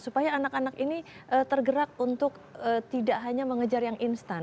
supaya anak anak ini tergerak untuk tidak hanya mengejar yang instan